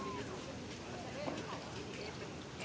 สวัสดีครับทุกคน